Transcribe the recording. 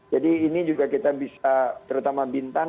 jadi ini juga kita bisa terutama bintan